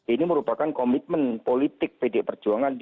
ini merupakan komitmen politik pdi perjuangan